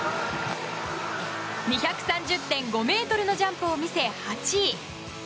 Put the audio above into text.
２３０．５ｍのジャンプを見せ８位。